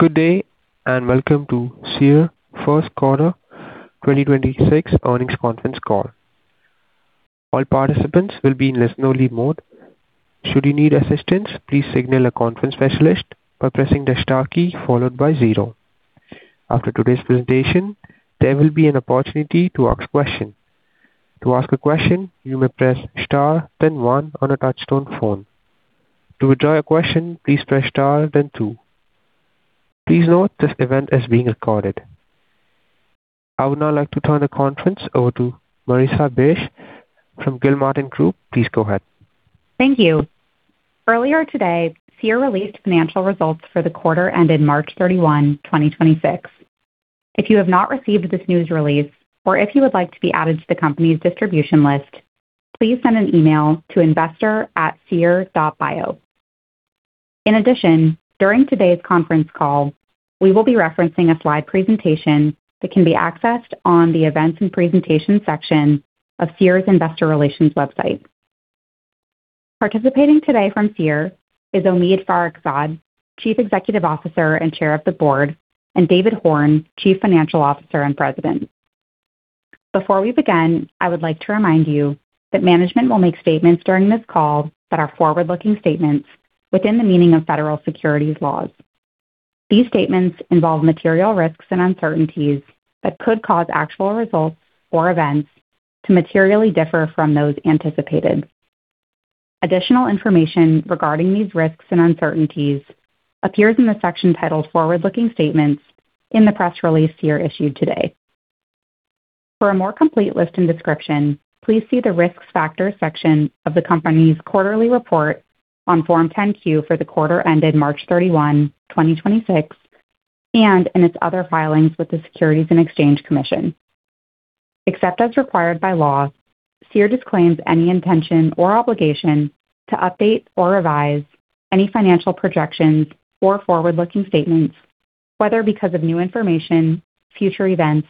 Good day, and welcome to Seer First Quarter 2026 Earnings Conference Call. All participants will be in listen-only mode. Should you need assistance please signal the conference specialist or pressing the star key followed by zero. After today's presentation there will be an opportunity to ask question. To ask a question, you may press star then one on the touchtone phone. To withdraw your question, please press star then two. Please know this event is being recorded. I would now like to turn the conference over to Marissa Bych from Gilmartin Group. Please go ahead. Thank you. Earlier today, Seer released financial results for the quarter ended March 31, 2026. If you have not received this news release or if you would like to be added to the company's distribution list, please send an email to investor at seer.bio. In addition, during today's conference call, we will be referencing a slide presentation that can be accessed on the Events and Presentation section of Seer's Investor Relations website. Participating today from Seer is Omid Farokhzad, Chief Executive Officer and Chair of the Board, and David Horn, Chief Financial Officer and President. Before we begin, I would like to remind you that management will make statements during this call that are forward-looking statements within the meaning of federal securities laws. These statements involve material risks and uncertainties that could cause actual results or events to materially differ from those anticipated. Additional information regarding these risks and uncertainties appears in the section titled Forward-Looking Statements in the press release Seer issued today. For a more complete list and description, please see the Risk Factor section of the company's quarterly report on Form 10-Q for the quarter ended March 31, 2026, and in its other filings with the Securities and Exchange Commission. Except as required by law, Seer disclaims any intention or obligation to update or revise any financial projections or forward-looking statements, whether because of new information, future events,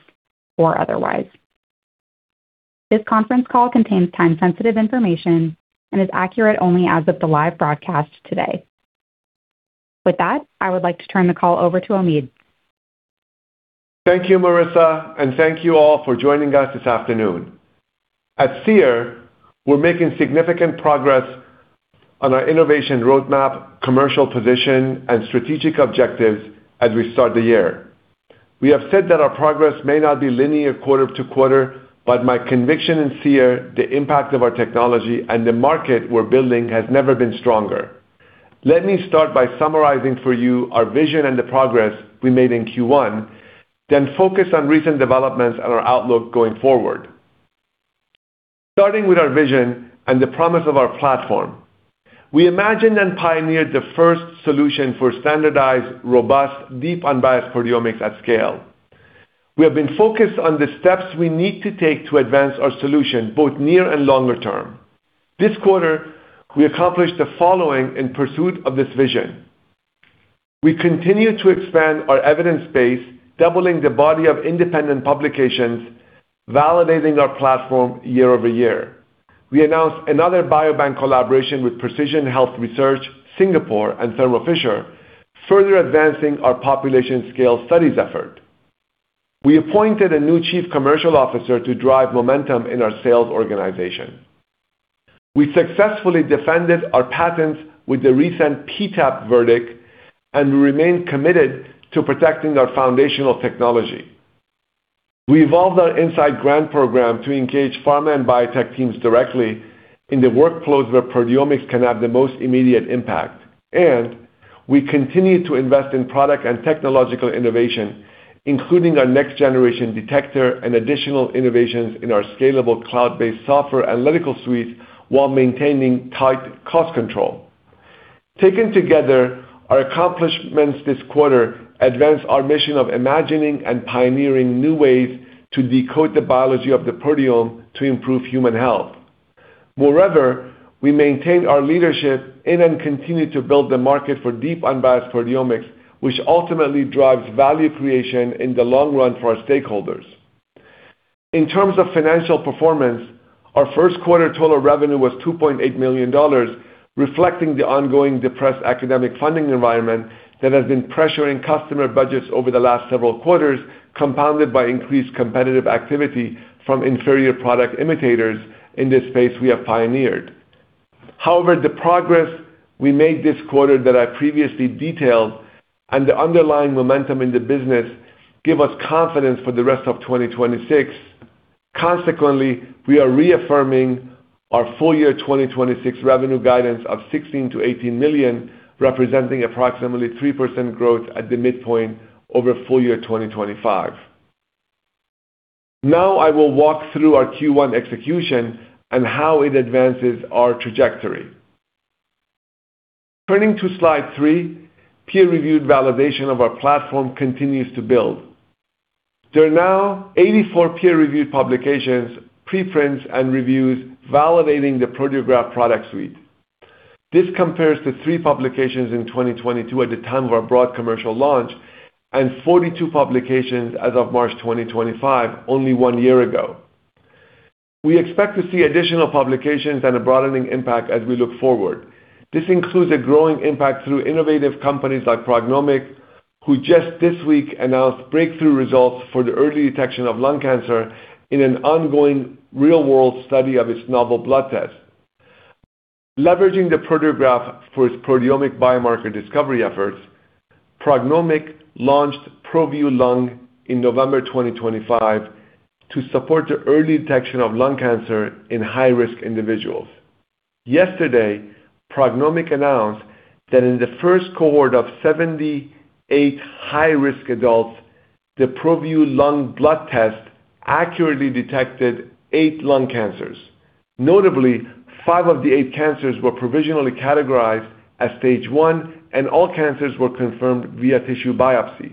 or otherwise. This conference call contains time-sensitive information and is accurate only as of the live broadcast today. With that, I would like to turn the call over to Omid. Thank you, Marissa, and thank you all for joining us this afternoon. At Seer, we're making significant progress on our innovation roadmap, commercial position, and strategic objectives as we start the year. We have said that our progress may not be linear quarter to quarter, but my conviction in Seer, the impact of our technology, and the market we're building has never been stronger. Let me start by summarizing for you our vision and the progress we made in Q1, then focus on recent developments and our outlook going forward. Starting with our vision and the promise of our platform. We imagined and pioneered the first solution for standardized, robust, deep, unbiased proteomics at scale. We have been focused on the steps we need to take to advance our solution, both near and longer term. This quarter, we accomplished the following in pursuit of this vision. We continue to expand our evidence base, doubling the body of independent publications, validating our platform year-over-year. We announced another biobank collaboration with Precision Health Research, Singapore and Thermo Fisher, further advancing our population scale studies effort. We appointed a new chief commercial officer to drive momentum in our sales organization. We successfully defended our patents with the recent PTAB verdict and remain committed to protecting our foundational technology. We evolved our Insight Grants program to engage pharma and biotech teams directly in the workflows where proteomics can have the most immediate impact. We continue to invest in product and technological innovation, including our next-generation detector and additional innovations in our scalable cloud-based software analytical suite while maintaining tight cost control. Taken together, our accomplishments this quarter advance our mission of imagining and pioneering new ways to decode the biology of the proteome to improve human health. We maintain our leadership in and continue to build the market for deep unbiased proteomics, which ultimately drives value creation in the long run for our stakeholders. In terms of financial performance, our first quarter total revenue was $2.8 million, reflecting the ongoing depressed academic funding environment that has been pressuring customer budgets over the last several quarters, compounded by increased competitive activity from inferior product imitators in this space we have pioneered. The progress we made this quarter that I previously detailed and the underlying momentum in the business give us confidence for the rest of 2026. Consequently, we are reaffirming our full year 2026 revenue guidance of $16 million-$18 million, representing approximately 3% growth at the midpoint over full year 2025. I will walk through our Q1 execution and how it advances our trajectory. Turning to slide three, peer-reviewed validation of our platform continues to build. There are now 84 peer-reviewed publications, preprints, and reviews validating the Proteograph Product Suite. This compares to three publications in 2022 at the time of our broad commercial launch, and 42 publications as of March 2025, only one year ago. We expect to see additional publications and a broadening impact as we look forward. This includes a growing impact through innovative companies like PrognomiQ, who just this week announced breakthrough results for the early detection of lung cancer in an ongoing real-world study of its novel blood test. Leveraging the Proteograph for its proteomic biomarker discovery efforts, PrognomiQ launched ProVue Lung in November 2025 to support the early detection of lung cancer in high-risk individuals. Yesterday, PrognomiQ announced that in the first cohort of 78 high-risk adults, the ProVue Lung blood test accurately detected eight lung cancers. Notably, five of the eight cancers were provisionally categorized as stage one, and all cancers were confirmed via tissue biopsy.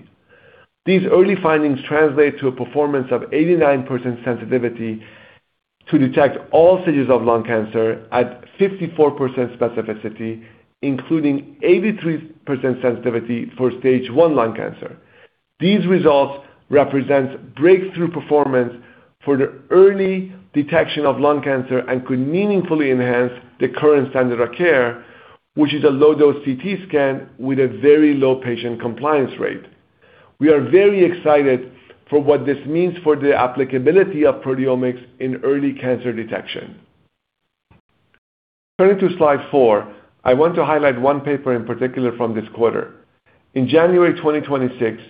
These early findings translate to a performance of 89% sensitivity to detect all stages of lung cancer at 54% specificity, including 83% sensitivity for stage 1 lung cancer. These results represent breakthrough performance for the early detection of lung cancer and could meaningfully enhance the current standard of care, which is a low-dose CT scan with a very low patient compliance rate. We are very excited for what this means for the applicability of proteomics in early cancer detection. Turning to slide four, I want to highlight one paper in particular from this quarter. In January 2026,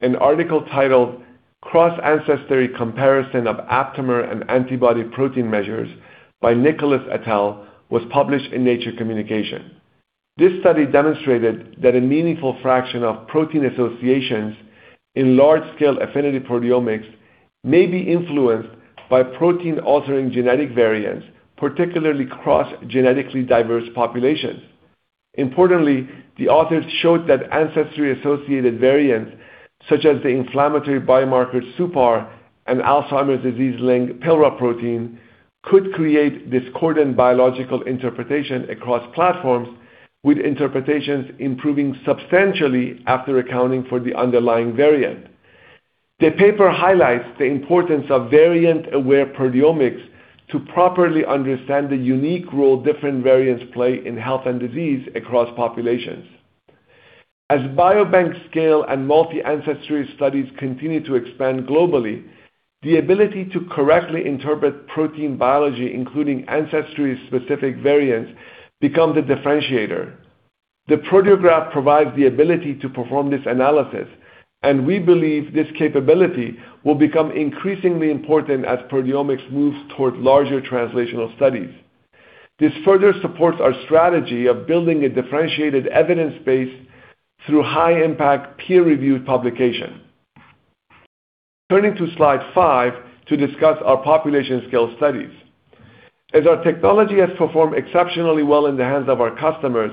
an article titled Cross-Ancestry Comparison of Aptamer and Antibody Protein Measures by Nicholas et al. was published in Nature Communications. This study demonstrated that a meaningful fraction of protein associations in large-scale affinity proteomics may be influenced by protein-altering genetic variants, particularly cross-genetically diverse populations. Importantly, the authors showed that ancestry-associated variants such as the inflammatory biomarker suPAR and Alzheimer's disease-linked PILRA protein could create discordant biological interpretation across platforms, with interpretations improving substantially after accounting for the underlying variant. The paper highlights the importance of variant-aware proteomics to properly understand the unique role different variants play in health and disease across populations. As biobank scale and multi-ancestry studies continue to expand globally, the ability to correctly interpret protein biology, including ancestry-specific variants, becomes a differentiator. The Proteograph provides the ability to perform this analysis. We believe this capability will become increasingly important as proteomics moves toward larger translational studies. This further supports our strategy of building a differentiated evidence base through high-impact peer-reviewed publication. Turning to slide five to discuss our population scale studies. As our technology has performed exceptionally well in the hands of our customers,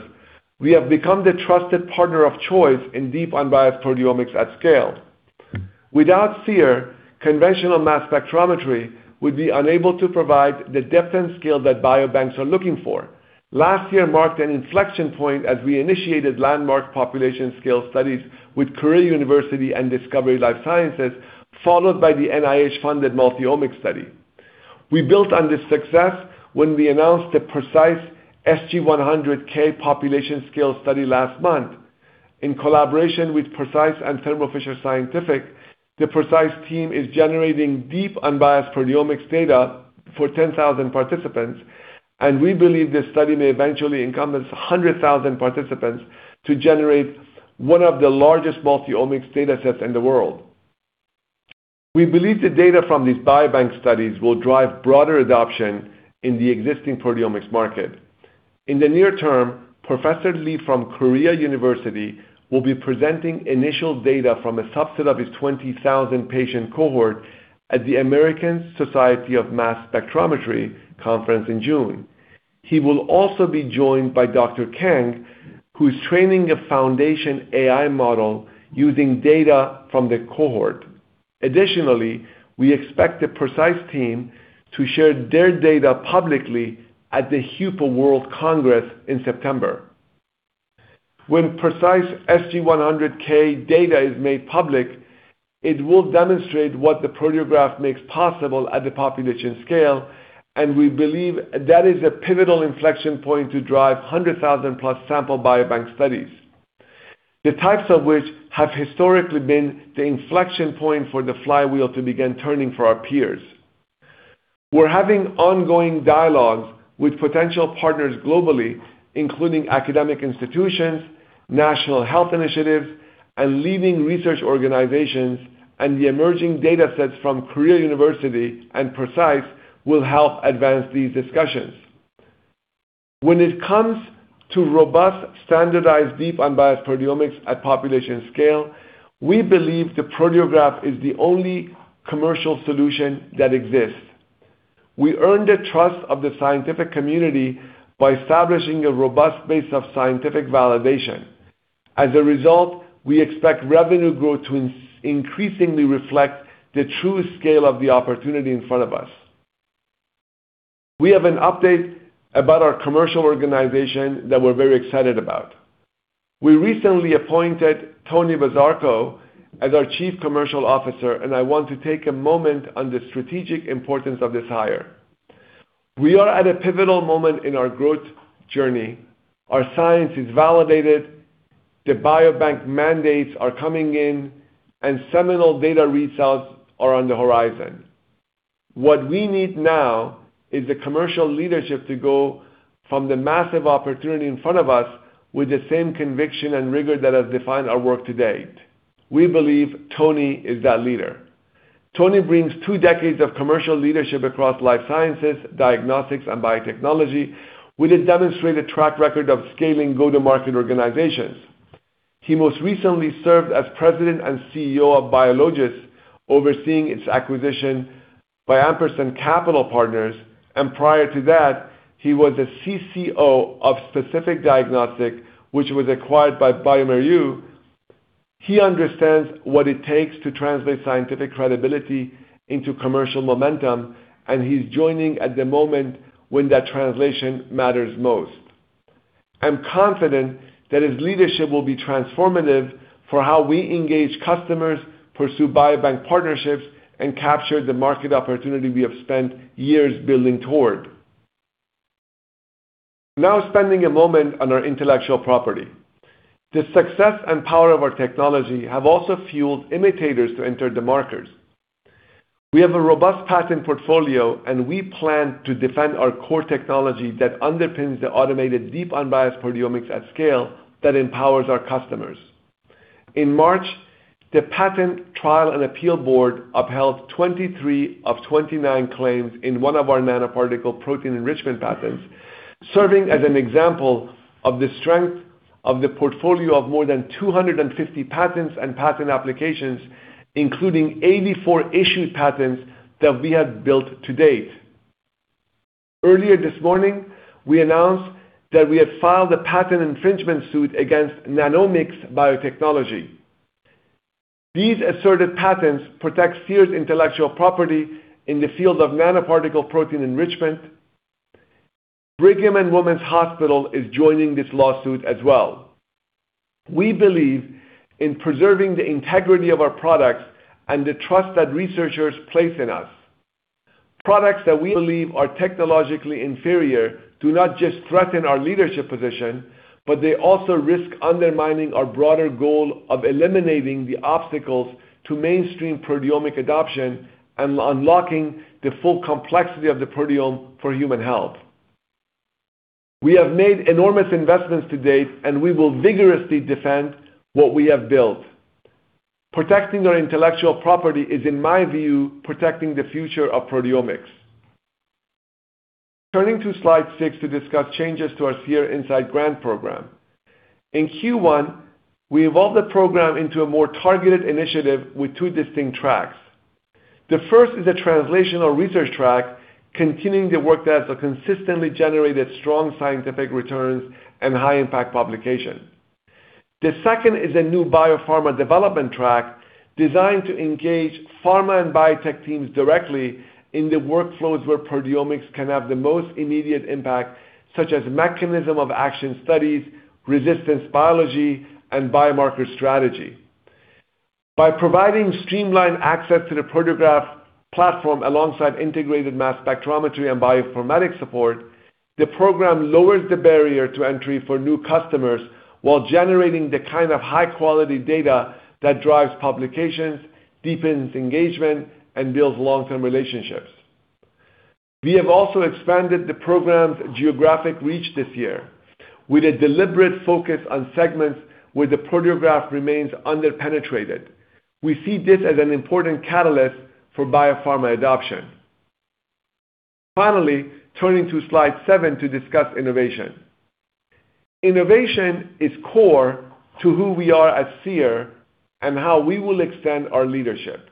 we have become the trusted partner of choice in deep unbiased proteomics at scale. Without Seer, conventional mass spectrometry would be unable to provide the depth and scale that biobanks are looking for. Last year marked an inflection point as we initiated landmark population scale studies with Korea University and Discovery Life Sciences, followed by the NIH-funded multi-omic study. We built on this success when we announced the PRECISE-SG100K population scale study last month. In collaboration with PRECISE and Thermo Fisher Scientific, the PRECISE team is generating deep, unbiased proteomics data for 10,000 participants, and we believe this study may eventually encompass 100,000 participants to generate one of the largest multi-omics data sets in the world. We believe the data from these biobank studies will drive broader adoption in the existing proteomics market. In the near term, Professor Lee from Korea University will be presenting initial data from a subset of his 20,000-patient cohort at the American Society for Mass Spectrometry Conference in June. He will also be joined by Dr. Kang, who is training a foundation AI model using data from the cohort. Additionally, we expect the PRECISE team to share their data publicly at the HUPO World Congress in September. When PRECISE-SG100K data is made public, it will demonstrate what the Proteograph makes possible at the population scale, and we believe that is a pivotal inflection point to drive 100,000+ sample biobank studies, the types of which have historically been the inflection point for the flywheel to begin turning for our peers. We're having ongoing dialogues with potential partners globally, including academic institutions, national health initiatives, and leading research organizations, and the emerging data sets from Korea University and PRECISE will help advance these discussions. When it comes to robust, standardized, deep, unbiased proteomics at population scale, we believe the Proteograph is the only commercial solution that exists. We earn the trust of the scientific community by establishing a robust base of scientific validation. As a result, we expect revenue growth to increasingly reflect the true scale of the opportunity in front of us. We have an update about our commercial organization that we're very excited about. We recently appointed Anthony Bazarko as our Chief Commercial Officer. I want to take a moment on the strategic importance of this hire. We are at a pivotal moment in our growth journey. Our science is validated, the biobank mandates are coming in, seminal data readouts are on the horizon. What we need now is the commercial leadership to go from the massive opportunity in front of us with the same conviction and rigor that has defined our work to date. We believe Anthony is that leader. Anthony brings two decades of commercial leadership across life sciences, diagnostics, and biotechnology with a demonstrated track record of scaling go-to-market organizations. He most recently served as President and CEO of Biologos, overseeing its acquisition by Ampersand Capital Partners, and prior to that, he was the CCO of Specific Diagnostics, which was acquired by bioMérieux. He understands what it takes to translate scientific credibility into commercial momentum, and he's joining at the moment when that translation matters most. I'm confident that his leadership will be transformative for how we engage customers, pursue biobank partnerships, and capture the market opportunity we have spent years building toward. Spending a moment on our intellectual property. The success and power of our technology have also fueled imitators to enter the markets. We have a robust patent portfolio, and we plan to defend our core technology that underpins the automated deep unbiased proteomics at scale that empowers our customers. In March, the Patent Trial and Appeal Board upheld 23 of 29 claims in one of our nanoparticle protein enrichment patents, serving as an example of the strength of the portfolio of more than 250 patents and patent applications, including 84 issued patents that we have built to date. Earlier this morning, we announced that we have filed a patent infringement suit against Nanomics Biotechnology. These asserted patents protect Seer's intellectual property in the field of nanoparticle protein enrichment. Brigham and Women's Hospital is joining this lawsuit as well. We believe in preserving the integrity of our products and the trust that researchers place in us. Products that we believe are technologically inferior do not just threaten our leadership position, but they also risk undermining our broader goal of eliminating the obstacles to mainstream proteomic adoption and unlocking the full complexity of the proteome for human health. We have made enormous investments to date. We will vigorously defend what we have built. Protecting our intellectual property is, in my view, protecting the future of proteomics. Turning to slide six to discuss changes to our Seer Insight Grants program. In Q1, we evolved the program into a more targeted initiative with 2 distinct tracks. The first is a translational research track, continuing the work that has consistently generated strong scientific returns and high-impact publication. The second is a new biopharma development track designed to engage pharma and biotech teams directly in the workflows where proteomics can have the most immediate impact, such as mechanism of action studies, resistance biology, and biomarker strategy. By providing streamlined access to the Proteograph platform alongside integrated mass spectrometry and bioinformatic support, the program lowers the barrier to entry for new customers while generating the kind of high-quality data that drives publications, deepens engagement, and builds long-term relationships. We have also expanded the program's geographic reach this year with a deliberate focus on segments where the Proteograph remains under-penetrated. We see this as an important catalyst for biopharma adoption. Finally, turning to slide seven to discuss innovation. Innovation is core to who we are at Seer and how we will extend our leadership.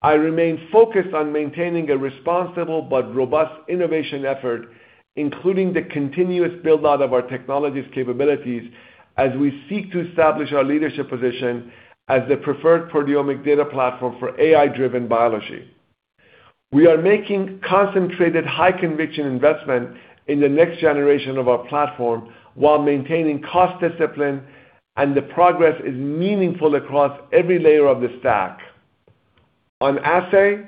I remain focused on maintaining a responsible but robust innovation effort, including the continuous build-out of our technology's capabilities as we seek to establish our leadership position as the preferred proteomic data platform for AI-driven biology. We are making concentrated high-conviction investment in the next generation of our platform while maintaining cost discipline. The progress is meaningful across every layer of the stack. On assay,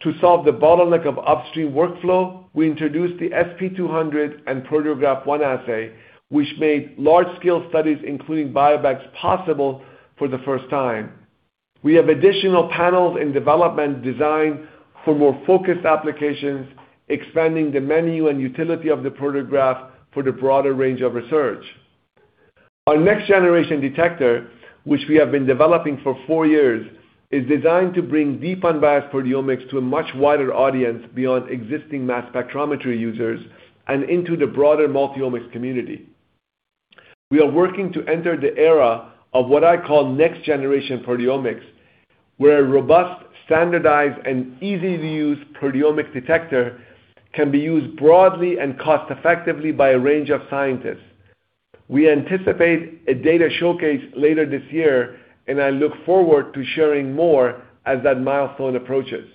to solve the bottleneck of upstream workflow, we introduced the SP200 and Proteograph ONE assay, which made large-scale studies, including biobanks, possible for the first time. We have additional panels in development designed for more focused applications, expanding the menu and utility of the Proteograph for the broader range of research. Our next-generation detector, which we have been developing for four years, is designed to bring deep unbiased proteomics to a much wider audience beyond existing mass spectrometry users and into the broader multi-omics community. We are working to enter the era of what I call next-generation proteomics, where a robust, standardized, and easy-to-use proteomic detector can be used broadly and cost-effectively by a range of scientists. We anticipate a data showcase later this year. I look forward to sharing more as that milestone approaches.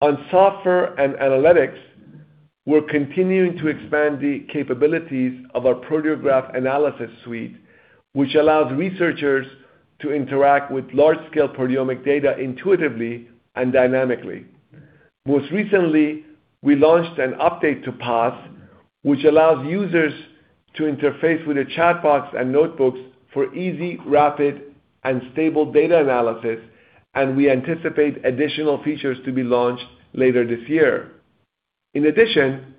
On software and analytics, we're continuing to expand the capabilities of our Proteograph Analysis Suite, which allows researchers to interact with large-scale proteomic data intuitively and dynamically. Most recently, we launched an update to PAS, which allows users to interface with a chat box and notebooks for easy, rapid, and stable data analysis, and we anticipate additional features to be launched later this year. In addition,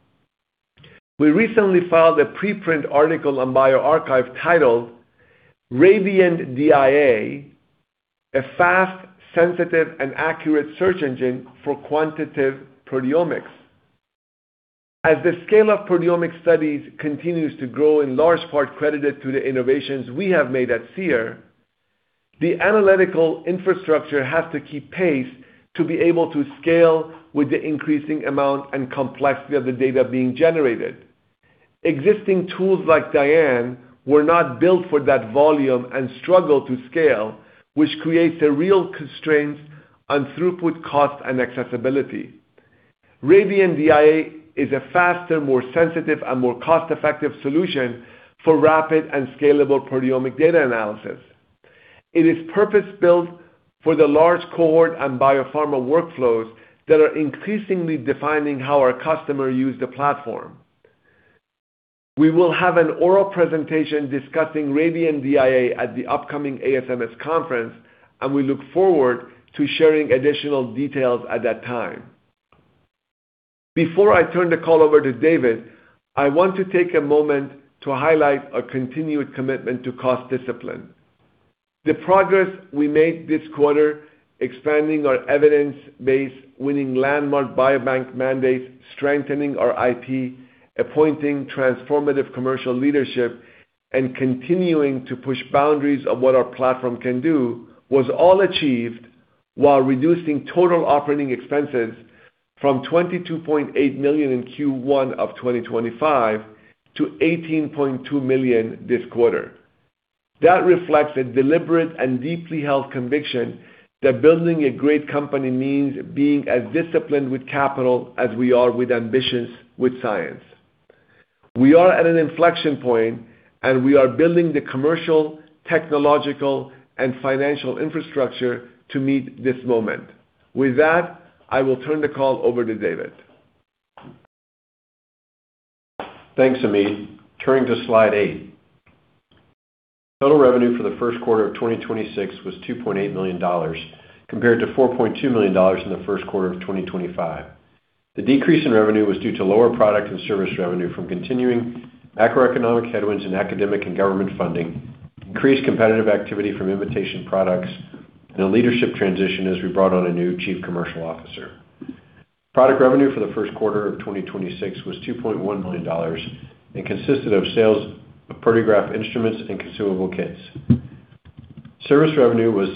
we recently filed a preprint article on bioRxiv titled "Radiant DIA, a fast, sensitive, and accurate search engine for quantitative proteomics." As the scale of proteomic studies continues to grow, in large part credited to the innovations we have made at Seer, the analytical infrastructure has to keep pace to be able to scale with the increasing amount and complexity of the data being generated. Existing tools like DIA-NN were not built for that volume and struggle to scale, which creates a real constraint on throughput, cost, and accessibility. Radiant DIA is a faster, more sensitive, and more cost-effective solution for rapid and scalable proteomic data analysis. It is purpose-built for the large cohort and biopharma workflows that are increasingly defining how our customers use the platform. We will have an oral presentation discussing Radiant DIA at the upcoming ASMS Conference, and we look forward to sharing additional details at that time. Before I turn the call over to David, I want to take a moment to highlight our continued commitment to cost discipline. The progress we made this quarter, expanding our evidence base, winning landmark biobank mandates, strengthening our IP, appointing transformative commercial leadership, and continuing to push boundaries of what our platform can do, was all achieved while reducing total operating expenses from $22.8 million in Q1 of 2025 to $18.2 million this quarter. That reflects a deliberate and deeply held conviction that building a great company means being as disciplined with capital as we are with ambitions with science. We are at an inflection point, we are building the commercial, technological, and financial infrastructure to meet this moment. With that, I will turn the call over to David. Thanks, Omid. Turning to slide eight. Total revenue for the first quarter of 2026 was $2.8 million, compared to $4.2 million in the first quarter of 2025. The decrease in revenue was due to lower product and service revenue from continuing macroeconomic headwinds in academic and government funding, increased competitive activity from imitation products, and a leadership transition as we brought on a new Chief Commercial Officer. Product revenue for the first quarter of 2026 was $2.1 million and consisted of sales of Proteograph instruments and consumable kits. Service revenue was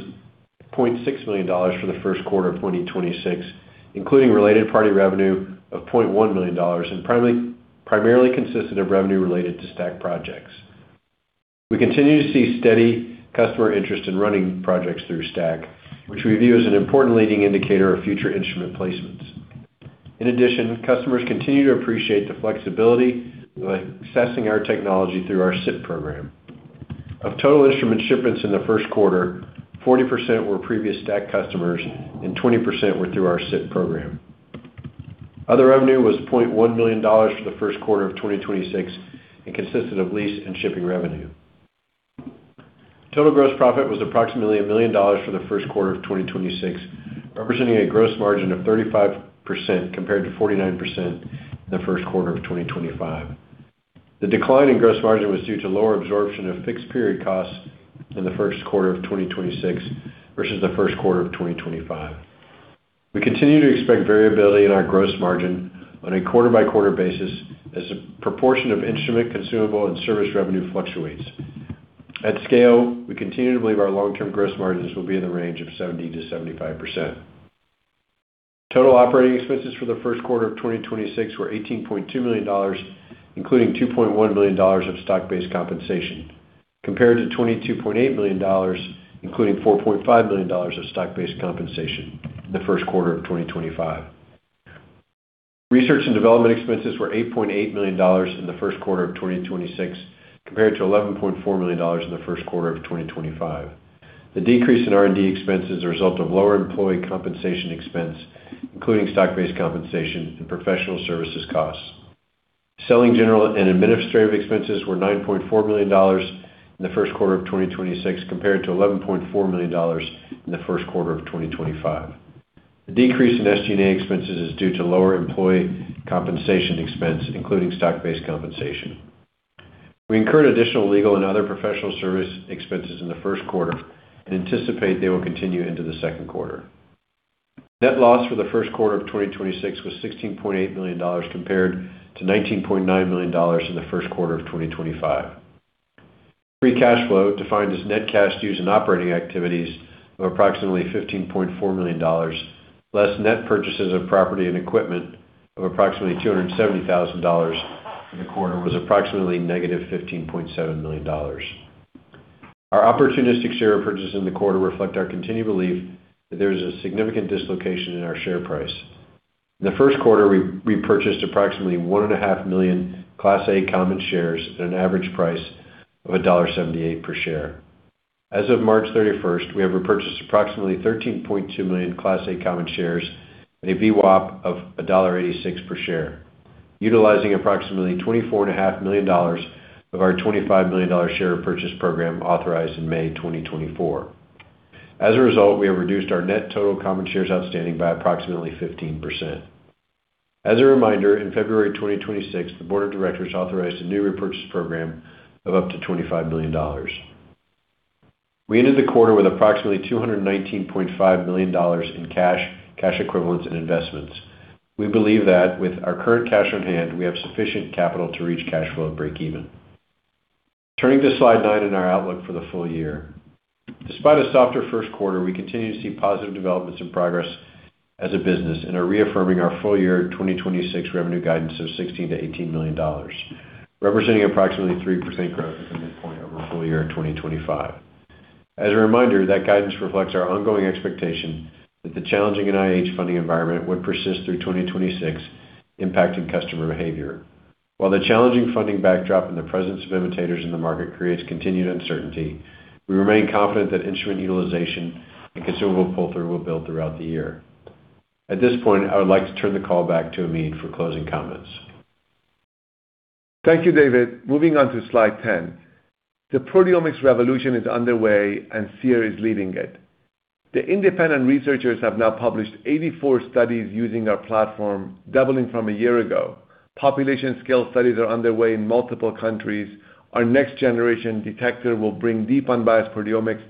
$0.6 million for the first quarter of 2026, including related party revenue of $0.1 million and primarily consisted of revenue related to STAC projects. We continue to see steady customer interest in running projects through STAC, which we view as an important leading indicator of future instrument placements. In addition, customers continue to appreciate the flexibility of assessing our technology through our SIP program. Of total instrument shipments in the first quarter, 40% were previous STAC customers and 20% were through our SIP program. Other revenue was $0.1 million for the first quarter of 2026 and consisted of lease and shipping revenue. Total gross profit was approximately $1 million for the first quarter of 2026, representing a gross margin of 35% compared to 49% in the first quarter of 2025. The decline in gross margin was due to lower absorption of fixed period costs in the first quarter of 2026 versus the first quarter of 2025. We continue to expect variability in our gross margin on a quarter-by-quarter basis as a proportion of instrument consumable and service revenue fluctuates. At scale, we continue to believe our long-term gross margins will be in the range of 70%-75%. Total operating expenses for the first quarter of 2026 were $18.2 million, including $2.1 million of stock-based compensation, compared to $22.8 million, including $4.5 million of stock-based compensation in the first quarter of 2025. Research and development expenses were $8.8 million in the first quarter of 2026, compared to $11.4 million in the first quarter of 2025. The decrease in R&D expenses are a result of lower employee compensation expense, including stock-based compensation and professional services costs. Selling general and administrative expenses were $9.4 million in the first quarter of 2026, compared to $11.4 million in the first quarter of 2025. The decrease in SG&A expenses is due to lower employee compensation expense, including stock-based compensation. We incurred additional legal and other professional service expenses in the first quarter and anticipate they will continue into the second quarter. Net loss for the first quarter of 2026 was $16.8 million compared to $19.9 million in the first quarter of 2025. Free cash flow, defined as net cash used in operating activities of approximately $15.4 million, less net purchases of property and equipment of approximately $270,000 in the quarter, was approximately negative $15.7 million. Our opportunistic share repurchase in the quarter reflect our continued belief that there is a significant dislocation in our share price. In the first quarter, we purchased approximately 1.5 million Class A common shares at an average price of $1.78 per share. As of March 31st, we have repurchased approximately 13.2 million Class A Common Shares at a VWAP of $1.86 per share, utilizing approximately $24.5 million of our $25 million share repurchase program authorized in May 2024. As a result, we have reduced our net total common shares outstanding by approximately 15%. As a reminder, in February 2026, the board of directors authorized a new repurchase program of up to $25 million. We ended the quarter with approximately $219.5 million in cash equivalents and investments. We believe that with our current cash on hand, we have sufficient capital to reach cash flow breakeven. Turning to slide nine in our outlook for the full year. Despite a softer first quarter, we continue to see positive developments and progress as a business and are reaffirming our full year 2026 revenue guidance of $16 million-$18 million, representing approximately 3% growth at the midpoint over full year 2025. As a reminder, that guidance reflects our ongoing expectation that the challenging NIH funding environment would persist through 2026, impacting customer behavior. While the challenging funding backdrop and the presence of imitators in the market creates continued uncertainty, we remain confident that instrument utilization and consumable pull-through will build throughout the year. At this point, I would like to turn the call back to Omid for closing comments. Thank you, David. Moving on to slide 10. The proteomics revolution is underway, and Seer is leading it. The independent researchers have now published 84 studies using our platform, doubling from a year ago. Population scale studies are underway in multiple countries. Our next generation detector will bring deep unbiased proteomics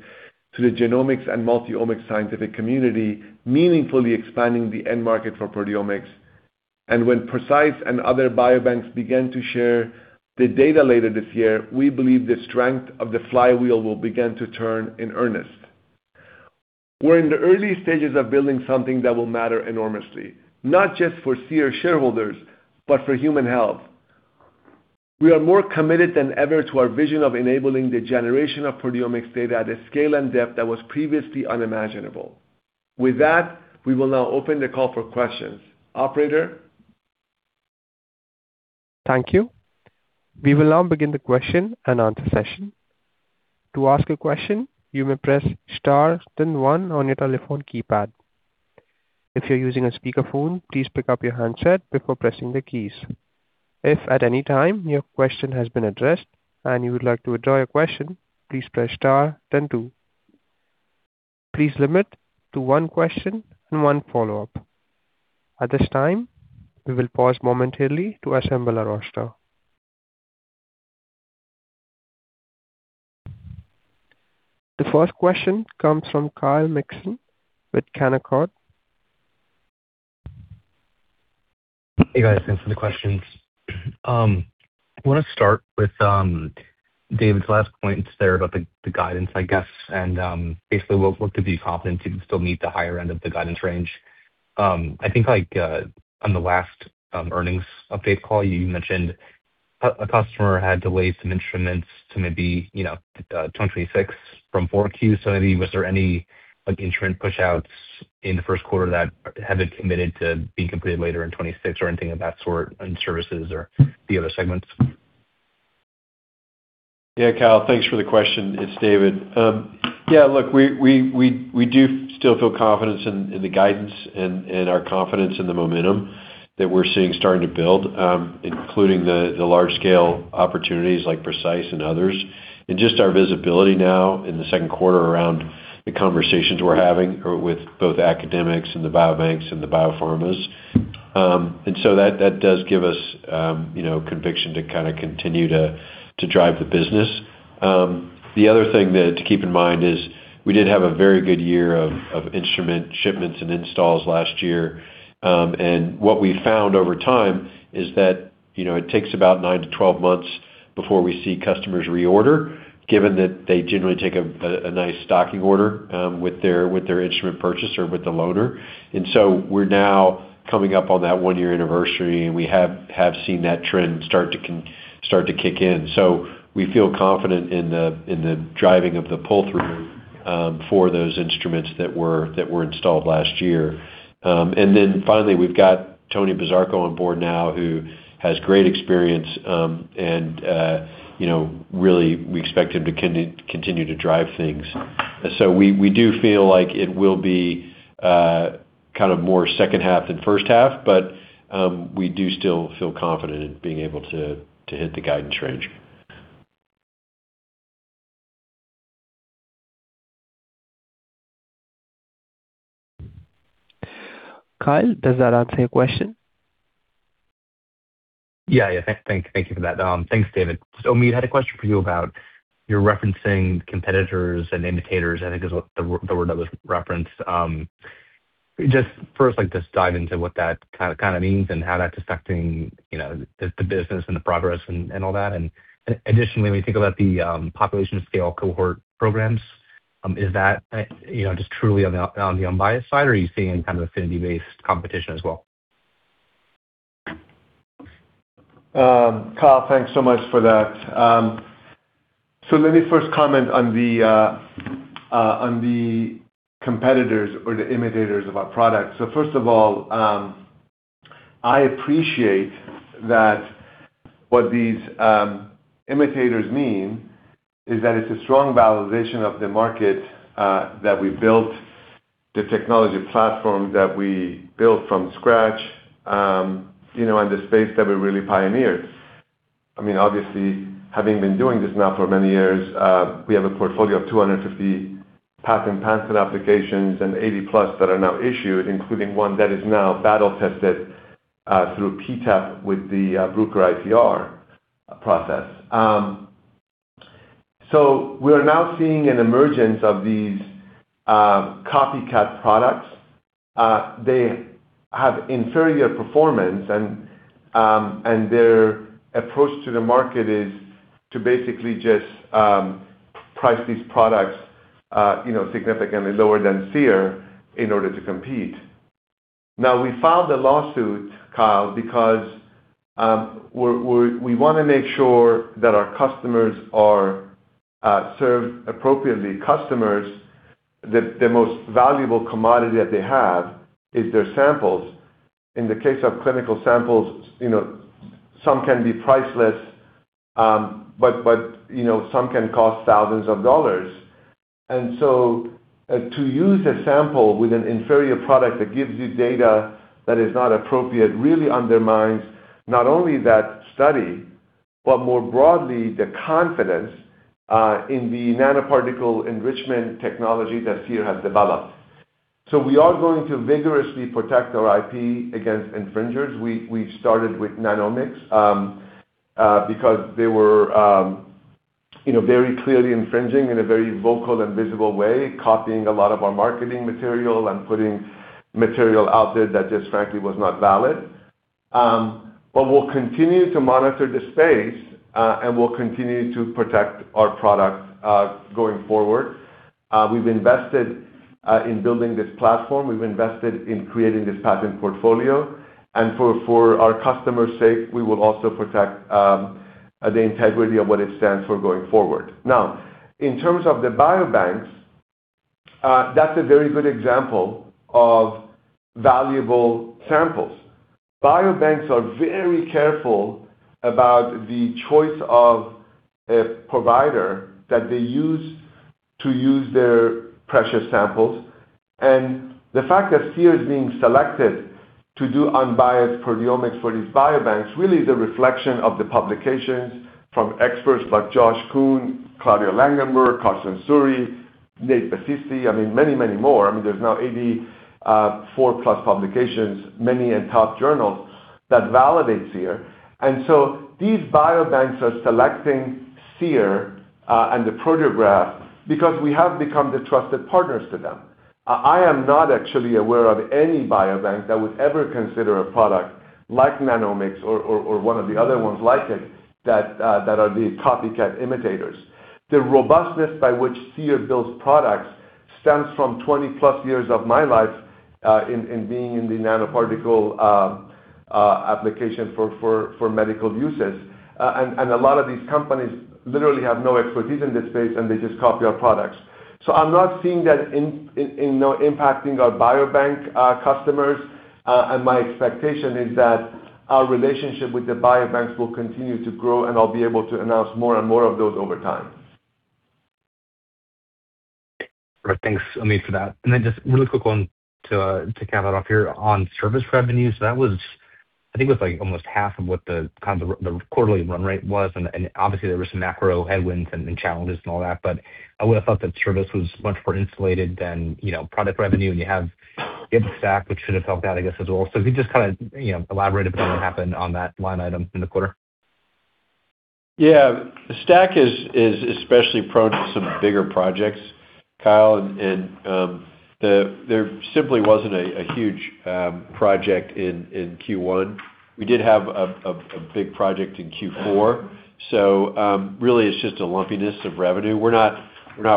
to the genomics and multi-omics scientific community, meaningfully expanding the end market for proteomics. When PRECISE and other biobanks begin to share the data later this year, we believe the strength of the flywheel will begin to turn in earnest. We're in the early stages of building something that will matter enormously, not just for Seer shareholders, but for human health. We are more committed than ever to our vision of enabling the generation of proteomics data at a scale and depth that was previously unimaginable. With that, we will now open the call for questions. Operator? Thank you. We will now begin the question and answer session. To ask a question, you may press star then one on your telephone keypad. If you're using a speakerphone, please pick up your handset before pressing the keys. If at any time your question has been addressed and you would like to withdraw your question, please press star then two. Please limit to one question and one follow-up. At this time, we will pause momentarily to assemble our roster. The first question comes from Kyle Mikson with Canaccord Genuity. Hey, guys. Thanks for the questions. I want to start with David's last points there about the guidance, I guess. Basically, what could be confidence you can still meet the higher end of the guidance range? I think like on the last earnings update call, you mentioned a customer had delayed some instruments to maybe, you know, 2026 from 4Q. Maybe was there any, like, instrument pushouts in the first quarter that haven't committed to being completed later in 2026 or anything of that sort in services or the other segments? Yeah, Kyle, thanks for the question. It's David. Yeah, look, we do still feel confidence in the guidance and our confidence in the momentum that we're seeing starting to build, including the large scale opportunities like PRECISE and others, and just our visibility now in the second quarter around the conversations we're having or with both academics and the biobanks and the biopharmas. So that does give us, you know, conviction to continue to drive the business. The other thing to keep in mind is we did have a very good year of instrument shipments and installs last year. What we found over time is that, you know, it takes about nine to 12 months before we see customers reorder, given that they generally take a nice stocking order with their instrument purchase or with the loader. We're now coming up on that one year anniversary, and we have seen that trend start to kick in. We feel confident in the driving of the pull-through for those instruments that were installed last year. Finally, we've got Anthony Bazarko on board now, who has great experience, you know, really we expect him to continue to drive things. We do feel like it will be, kind of more second half than first half, but, we do still feel confident in being able to hit the guidance range. Kyle, does that answer your question? Yeah. Yeah. Thank you for that. Thanks, David. Omid, had a question for you about you're referencing competitors and imitators, I think is what the word that was referenced. Just first, like, just dive into what that kind of means and how that's affecting, you know, the business and the progress and all that? Additionally, when you think about the population scale cohort programs, is that, you know, just truly on the unbiased side, or are you seeing kind of affinity-based competition as well? Kyle, thanks so much for that. Let me first comment on the competitors or the imitators of our products. First of all, I appreciate that what these imitators mean is that it's a strong validation of the market that we built, the technology platform that we built from scratch, you know, and the space that we really pioneered. I mean, obviously, having been doing this now for many years, we have a portfolio of 250 patent applications and 80+ that are now issued, including one that is now battle-tested through PTAB with the Bruker IPR process. We're now seeing an emergence of these copycat products. They have inferior performance, and their approach to the market is to basically just price these products significantly lower than Seer in order to compete. We filed a lawsuit, Kyle, because we wanna make sure that our customers are served appropriately. Customers, the most valuable commodity that they have is their samples. In the case of clinical samples, some can be priceless, but some can cost thousands of dollars. To use a sample with an inferior product that gives you data that is not appropriate really undermines not only that study, but more broadly, the confidence in the nanoparticle enrichment technology that Seer has developed. We are going to vigorously protect our IP against infringers. We started with Nanomics, because they were, you know, very clearly infringing in a very vocal and visible way, copying a lot of our marketing material and putting material out there that just frankly was not valid. We'll continue to monitor the space, and we'll continue to protect our product going forward. We've invested in building this platform. We've invested in creating this patent portfolio. For our customers' sake, we will also protect the integrity of what it stands for going forward. In terms of the biobanks, that's a very good example of valuable samples. Biobanks are very careful about the choice of a provider that they use to use their precious samples. The fact that Seer is being selected to do unbiased proteomics for these biobanks really is a reflection of the publications from experts like Josh Coon, Claudia Langenberg, Karsten Suhre, Nathan Basisty, I mean, many, many more. I mean, there's now 84+ publications, many in top journals that validates Seer. These biobanks are selecting Seer and the Proteograph because we have become the trusted partners to them. I am not actually aware of any biobank that would ever consider a product like Nanomics or one of the other ones like it that are the copycat imitators. The robustness by which Seer builds products stems from 20+ years of my life, in being in the nanoparticle application for medical uses. A lot of these companies literally have no expertise in this space, and they just copy our products. I'm not seeing that in, you know, impacting our biobank customers. My expectation is that our relationship with the biobanks will continue to grow, and I'll be able to announce more and more of those over time. Right. Thanks, Omid, for that. Just really quick one to cap it off here on service revenues. I think it was, like, almost half of what the, kind of the quarterly run rate was. Obviously, there were some macro headwinds and challenges and all that. I would have thought that service was much more insulated than, you know, product revenue, and you have good STAC, which should have helped out, I guess, as well. If you just kinda, you know, elaborate a bit what happened on that line item in the quarter. Yeah. The STAC is especially prone to some bigger projects, Kyle, and there simply wasn't a huge project in Q1. We did have a big project in Q4. Really, it's just a lumpiness of revenue. We're not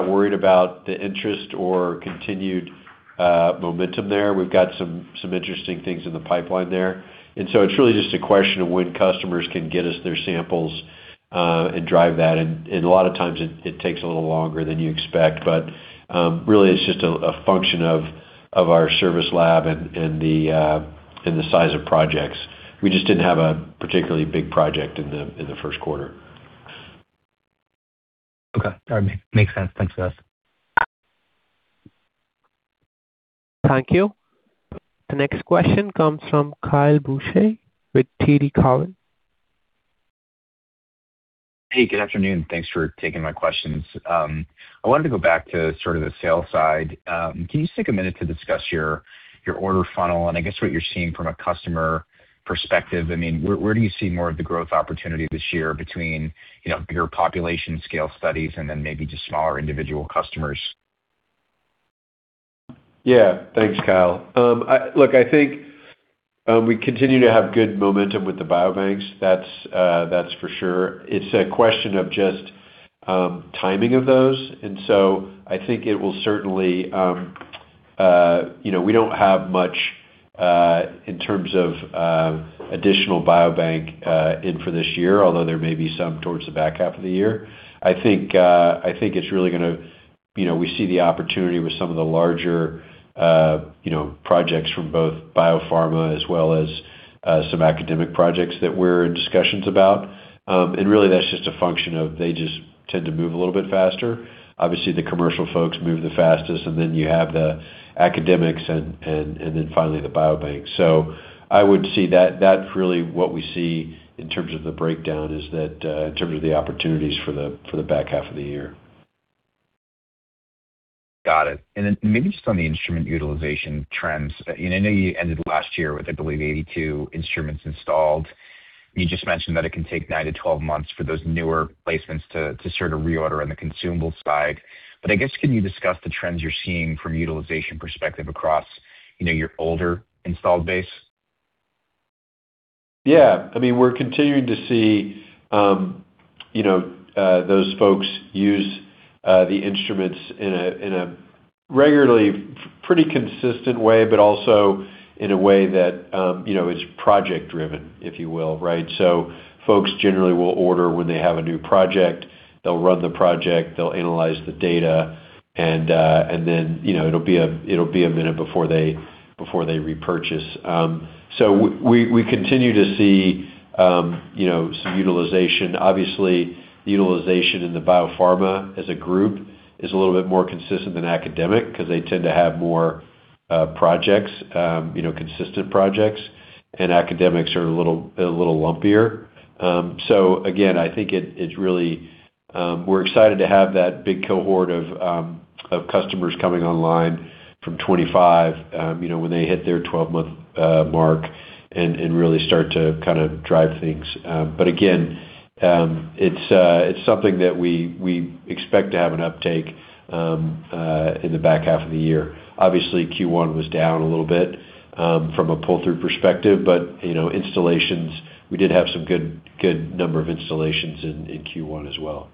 worried about the interest or continued momentum there. We've got some interesting things in the pipeline there. It's really just a question of when customers can get us their samples and drive that. And a lot of times it takes a little longer than you expect, but really it's just a function of our service lab and the size of projects. We just didn't have a particularly big project in the first quarter. Okay. All right. Makes sense. Thanks, guys. Thank you. The next question comes from Kyle Boucher with TD Cowen. Hey, good afternoon. Thanks for taking my questions. I wanted to go back to sort of the sales side. Can you take a minute to discuss your order funnel and I guess what you're seeing from a customer perspective? I mean, where do you see more of the growth opportunity this year between, you know, bigger population scale studies and then maybe just smaller individual customers? Yeah. Thanks, Kyle. I think we continue to have good momentum with the biobanks. That's for sure. It's a question of just timing of those. You know, we don't have much in terms of additional biobank in for this year, although there may be some towards the back half of the year. I think it's really gonna you know, we see the opportunity with some of the larger, you know, projects from both biopharma as well as some academic projects that we're in discussions about. Really, that's just a function of they just tend to move a little bit faster. Obviously, the commercial folks move the fastest, and then you have the academics and then finally the biobank. I would see that's really what we see in terms of the breakdown is that in terms of the opportunities for the back half of the year. Got it. Maybe just on the instrument utilization trends. I know you ended last year with, I believe, 82 instruments installed. You just mentioned that it can take nine to 12 months for those newer placements to sort of reorder on the consumable side. I guess, can you discuss the trends you're seeing from a utilization perspective across, you know, your older installed base? Yeah. I mean, we're continuing to see, you know, those folks use the instruments in a regularly pretty consistent way, but also in a way that, you know, is project-driven, if you will, right? Folks generally will order when they have a new project, they'll run the project, they'll analyze the data, and then, you know, it'll be a minute before they repurchase. We continue to see, you know, some utilization. Obviously, utilization in the biopharma as a group is a little bit more consistent than academic 'cause they tend to have more projects, you know, consistent projects, and academics are a little lumpier. Again, I think it's really, we're excited to have that big cohort of customers coming online from 25, you know, when they hit their 12-month mark and really start to kind of drive things. Again, it's something that we expect to have an uptake in the back half of the year. Obviously, Q1 was down a little bit from a pull-through perspective, but, you know, installations, we did have some good number of installations in Q1 as well.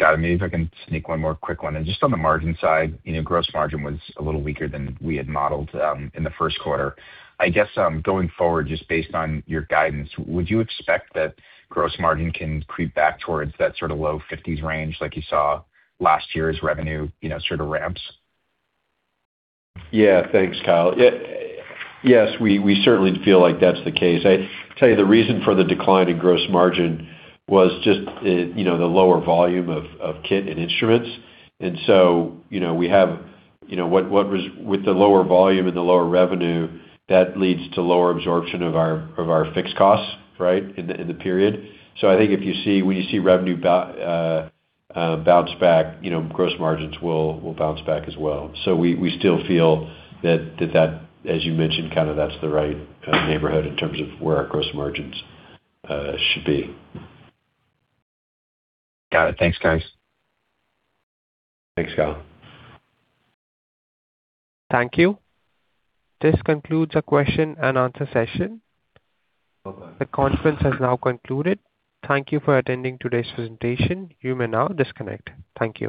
Got it. Maybe if I can sneak one more quick one. Just on the margin side, you know, gross margin was a little weaker than we had modeled in the first quarter. I guess, going forward, just based on your guidance, would you expect that gross margin can creep back towards that sort of low 50s range like you saw last year as revenue, you know, sort of ramps? Thanks, Kyle. Yes, we certainly feel like that's the case. I tell you, the reason for the decline in gross margin was just, you know, the lower volume of kit and instruments. You know, we have, you know, with the lower volume and the lower revenue, that leads to lower absorption of our fixed costs, right, in the period. I think when you see revenue bounce back, you know, gross margins will bounce back as well. We still feel that, as you mentioned, kind of that's the right neighborhood in terms of where our gross margins should be. Got it. Thanks, guys. Thanks, Kyle. Thank you. This concludes our question and answer session. The conference has now concluded. Thank you for attending today's presentation. You may now disconnect. Thank you.